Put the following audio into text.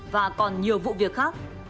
và còn nhiều vụ việc khác